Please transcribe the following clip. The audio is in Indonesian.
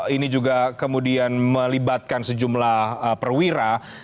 ini juga kemudian melibatkan sejumlah perwira